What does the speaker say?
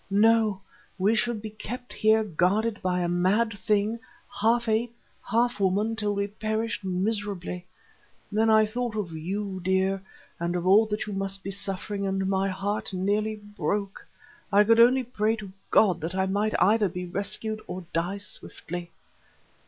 No, we should be kept here guarded by a mad thing, half ape, half woman, till we perished miserably. Then I thought of you, dear, and of all that you must be suffering, and my heart nearly broke. I could only pray to God that I might either be rescued or die swiftly.